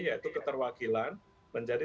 yaitu keterwakilan menjadi